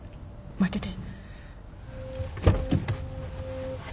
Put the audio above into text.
待ってて。